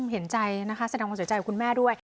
เห็นใจนะครับสำหรับคนใจใจของคุณแม่ด้วย